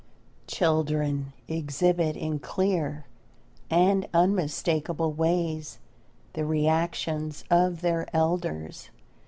Children exhibit in clear and unmistakable ways the reactions of their elders.